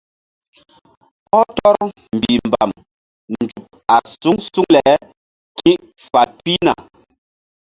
Ɔh tɔr mbihmbam nzuk a suŋ suŋ le ki̧fal pihna.